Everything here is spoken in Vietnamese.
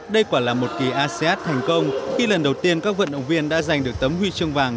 đây quả là một kỳ asean thành công khi lần đầu tiên các vận động viên đã giành được tấm huy chương vàng